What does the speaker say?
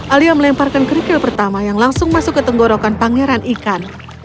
alia melemparkan kerikil pertama yang langsung masuk ke tenggorokan pangeran ikan